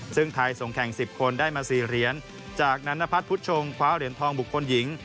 ซึ่งไทยส่งแข่ง๑๐คนได้มา๔เหรียญจากนั้นนพัฒน์พุทธชงคว้าเหรียญทองบุคคลหญิง